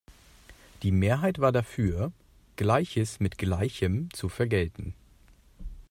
Die Mehrheit war dafür, Gleiches mit Gleichem zu vergelten.